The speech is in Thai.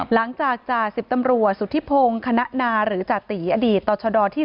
หลังจากจ่าสิบตำรัวสุธิพงศ์คณะนาหรือจติอดีตต่อชดที่๒๒๔